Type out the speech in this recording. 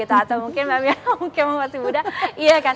atau mungkin mama buddha